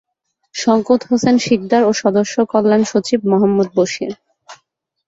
সওকত হোসেন সিকদার ও সদস্য কল্যাণ সচিব মোহাম্মদ বশির।